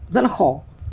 rất là khổ